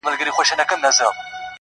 • نه د چا په حلواګانو کي لوبیږو -